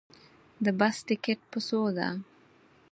د بس ټکټ په څو ده